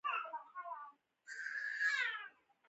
او يا ناڅاپي ملا تاوهل هم د ملا د پاره ټيک نۀ وي